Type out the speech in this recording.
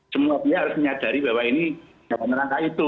semua pihak harus menyadari bahwa ini tidak akan merangkak itu